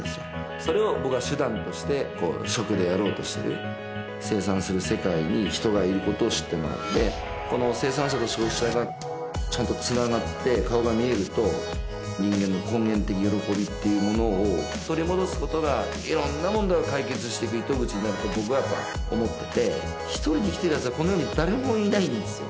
それを僕は手段として食でやろうとしてる生産する世界に人がいることを知ってもらってこの生産者と消費者がちゃんとつながって顔が見えると人間の根源的喜びっていうものを取り戻すことがいろんな問題を解決していく糸口になると僕はやっぱ思ってて独りで生きてるやつなんかこの世に誰もいないんですよ